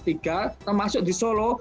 termasuk di solo